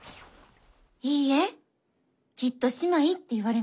いいえきっと姉妹って言われます。